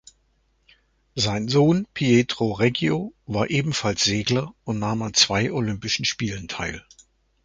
Sein Sohn Pietro Reggio war ebenfalls Segler und nahm an zwei Olympischen Spielen teil.